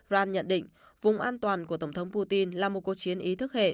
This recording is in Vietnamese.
ra nhận định vùng an toàn của tổng thống putin là một cuộc chiến ý thức hệ